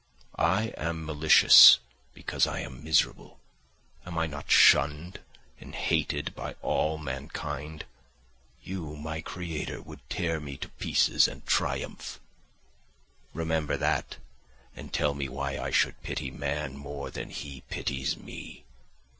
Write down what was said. I am malicious because I am miserable. Am I not shunned and hated by all mankind? You, my creator, would tear me to pieces and triumph; remember that, and tell me why I should pity man more than he pities me?